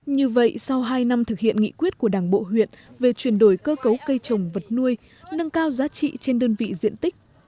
như vậy sau hai năm thực hiện nghị quyết của đảng bộ huyện về chuyển đổi cơ cấu cây trồng vật nuôi nâng cao giá trị trên đơn vị diện tích